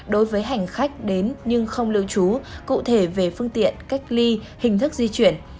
đối với hành khách đến nhưng không lưu trú cụ thể về phương tiện cách ly hình thức di chuyển